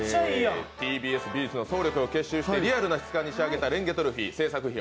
ＴＢＳ美術の総力を結集してリアルな質感に仕上げたレンゲトロフィー、製作費